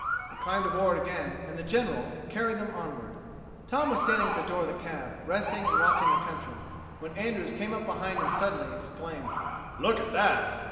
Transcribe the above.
They climbed aboard again, and the General carried them onward. Tom was standing at the door of the cab, resting and watching the country, when Andrews came up behind him suddenly and exclaimed: "Look at that!"